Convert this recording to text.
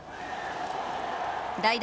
代打